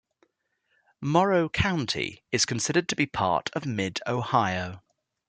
Morrow County is considered to be a part of Mid Ohio.